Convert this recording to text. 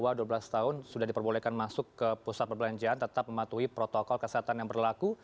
di bawah dua belas tahun sudah diperbolehkan masuk ke pusat perbelanjaan tetap mematuhi protokol kesehatan yang berlaku